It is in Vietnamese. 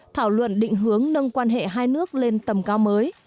thảo luận định hướng nâng quan hệ hai nước lên tầm cao mới